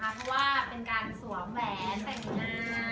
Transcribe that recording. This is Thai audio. เพราะว่าการสวมแหวนแต่งงาน